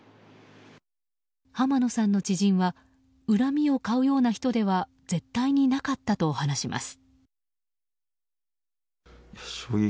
濱野さんの知人は恨みを買うような人では絶対なかったと話します。